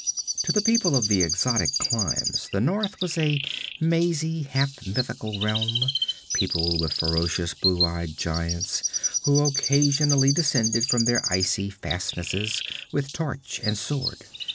To the people of the exotic climes, the north was a mazy half mythical realm, peopled with ferocious blue eyed giants who occasionally descended from their icy fastnesses with torch and sword.